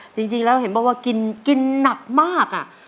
จริงแล้วเห็นบอกว่ากินหนักมาก